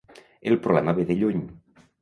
El problema ve de lluny.